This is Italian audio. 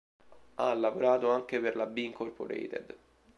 Ha lavorato anche per la Be Incorporated.